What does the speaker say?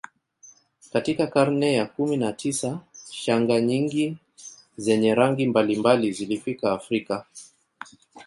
Katika karne ya kumi na tisa shanga nyingi zenye rangi mbalimbali zilifika Afrika